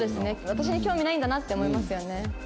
「私に興味ないんだな」って思いますよね。